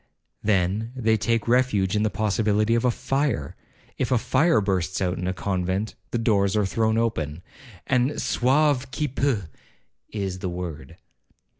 Then they take refuge in the possibility of a fire, (if a fire bursts out in a convent, the doors are thrown open, and 'Sauve qui peut,' is the word).